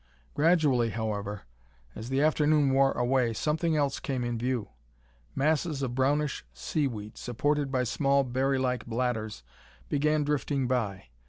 Gradually, however, as the afternoon wore away, something else came in view. Masses of brownish seaweed, supported by small, berry like bladders, began drifting by.